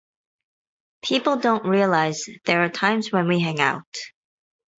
People don't realize there are times when we hang out.